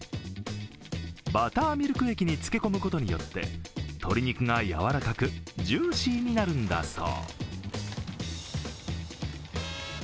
バターミルク液に漬け込むことによって鶏肉が柔らかくジューシーになるんだそう。